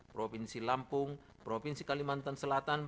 provinsi lampung provinsi kalimantan selatan